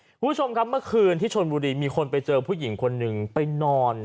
คุณผู้ชมครับเมื่อคืนที่ชนบุรีมีคนไปเจอผู้หญิงคนหนึ่งไปนอน